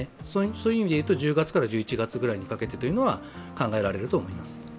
そういう意味でいうと、１０月から１１月にかけてというのは考えられると思います。